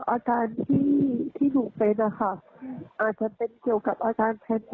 อาการที่หนูเป็นนะคะอาจจะเป็นเกี่ยวกับอาการแพทย์